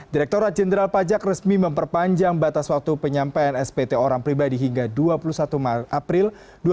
direkturat jenderal pajak resmi memperpanjang batas waktu penyampaian spt orang pribadi hingga dua puluh satu maret april dua ribu dua puluh